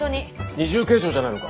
二重計上じゃないのか？